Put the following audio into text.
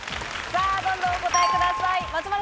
どんどんお答えください。